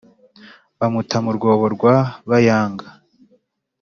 bamuta mu rwobo rwa Bayanga.